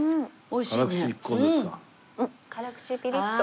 辛口ピリッと。